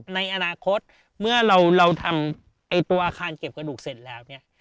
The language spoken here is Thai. ในอนาคตเมื่อเราทำตัวอาคารเก็บกระดูกเสร็จแล้วเนี่ย